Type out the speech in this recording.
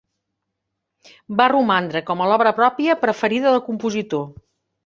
Va romandre com a l'obra pròpia preferida del compositor.